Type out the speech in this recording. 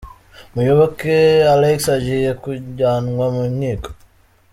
Muyoboke Alex agiye kujyanwa mu nkiko.